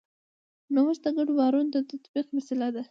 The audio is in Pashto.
نوښت د ګډو باورونو د تطبیق وسیله ده.